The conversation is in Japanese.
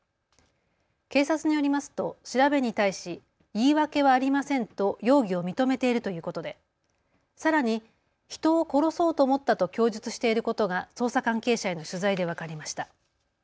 警察によりますと調べに対し言い訳はありませんと容疑を認めているということでさらに、人を殺そうと思ったと供述していることが捜査関係者への取材で分かりました。